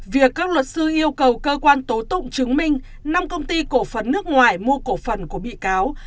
việc các luật sư yêu cầu cơ quan tố tụng chứng minh năm công ty cổ phần nước ngoài mua cổ phần của bị cáo